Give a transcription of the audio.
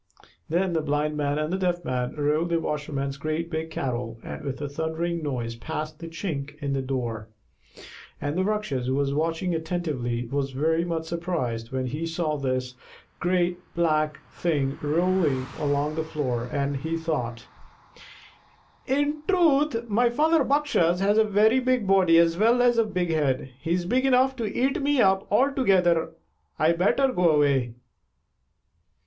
Then the Blind Man and the Deaf Man rolled the washerman's great big kettle with a thundering noise past the chink in the door, and the Rakshas, who was watching attentively, was very much surprised when he saw this great black thing rolling along the floor, and he thought: "In truth, my father Bakshas has a very big body as well as a big head. He's big enough to eat me up altogether. I'd better go away."